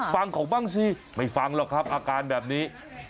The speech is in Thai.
ฟังเขาบ้างสิไม่ฟังหรอกครับอาการแบบนี้